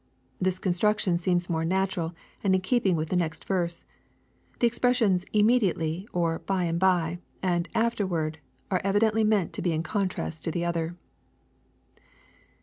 This construction seems more natural and in keeping with the next verse. — The expressions " immediately," or " by and by," and " afterward," are evidently meant to be in contrast to the other.